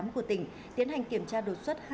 của tỉnh tiến hành kiểm tra đột xuất